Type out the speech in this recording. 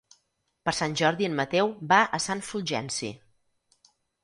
Per Sant Jordi en Mateu va a Sant Fulgenci.